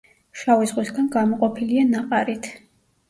შავი ზღვისგან გამოყოფილია ნაყარით.